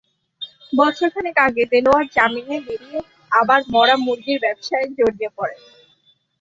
বছর খানেক আগে দেলোয়ার জামিনে বেরিয়ে আবার মরা মুরগির ব্যবসায় জড়িয়ে পড়েন।